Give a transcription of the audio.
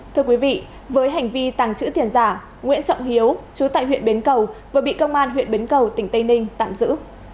thưa quý vị với hành vi tàng trữ tiền giả nguyễn trọng hiếu chú tại huyện bến cầu vừa bị công an huyện bến cầu tỉnh tây ninh tạm giữ